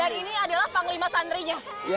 dan ini adalah panglima santrinya